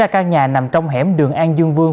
căn nhà nằm trong hẻm đường an dương vương